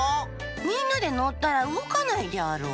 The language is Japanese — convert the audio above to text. みんなでのったらうごかないであろう。